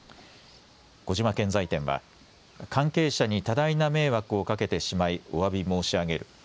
小島建材店は関係者に多大な迷惑をかけてしまいおわび申し上げる。